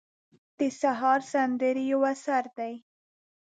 د سهار سندرې یو اثر دی.